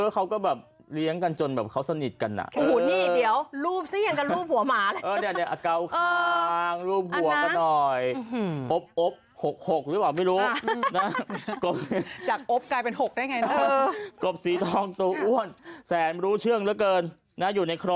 เขาก็แบบเลี้ยงกันจนแบบเขาสนิทกันอ่ะ